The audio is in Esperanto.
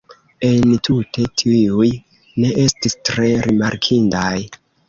Entute, tiuj ne estis tre rimarkindaj.